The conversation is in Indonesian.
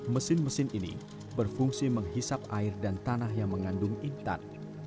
mesin mesin ini berfungsi menghisap air dan tanah yang mengandung intan